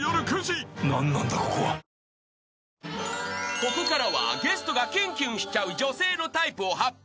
［ここからはゲストがキュンキュンしちゃう女性のタイプを発表。